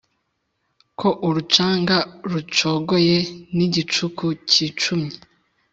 ko urucanda rucogoye n’igicuku kicumye